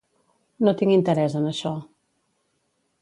No tinc interès en això.